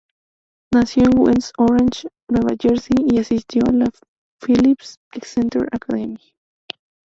Nació en West Orange, Nueva Jersey, y asistió a la Phillips Exeter Academy.